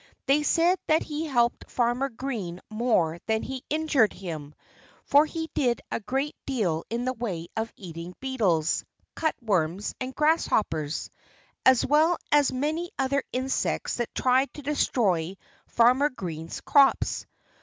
They said that he helped Farmer Green more than he injured him, for he did a great deal in the way of eating beetles, cutworms and grasshoppers, as well as many other insects that tried to destroy Farmer Green's crops.